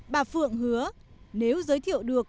bà phượng hứa nếu giới thiệu được